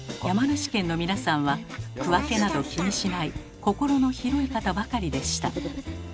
山梨県の皆さんは区分けなど気にしない心の広い方ばかりでした。